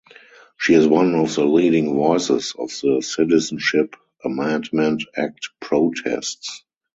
She is one of the leading voices of the Citizenship Amendment Act Protests.